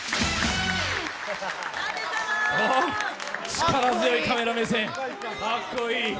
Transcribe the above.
力強いカメラ目線、かっこいい。